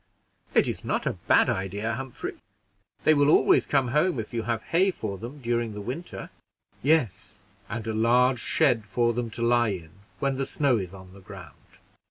"It is not a bad idea, Humphrey; they will always come home if you have hay for them during the winter." "Yes, and a large shed for them to lie in when the snow is on the ground."